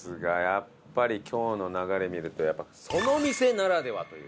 やっぱり今日の流れ見るとその店ならではというか